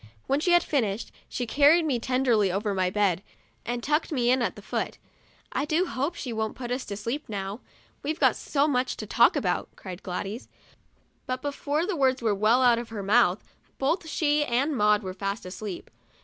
When she had finished, she carried me tenderly over to my bed, and tucked me in at the foot. " I do hope she won't put us to sleep now; we've got so much to talk about," cried Gladys; but before the words were well out of her mouth, both she and Maud were fast asleep.